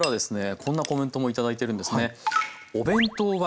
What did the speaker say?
こんなコメントもいただいてるんですね。